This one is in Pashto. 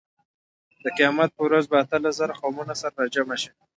د قیامت په ورځ به اتلس زره قومونه سره راجمع شي.